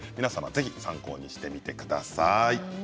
ぜひ参考にしてみてください。